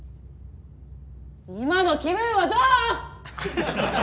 今の気分はどう！？